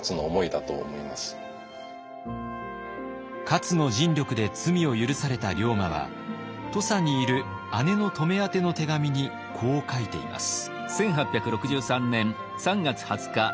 勝の尽力で罪を許された龍馬は土佐にいる姉の乙女宛ての手紙にこう書いています。